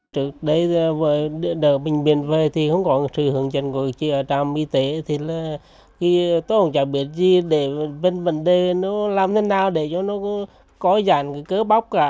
trước đây đợi bệnh viện về thì không có sự hướng dẫn của trạm y tế tôi không chẳng biết gì để vấn đề nó làm thế nào để cho nó có dạng cơ bóc cả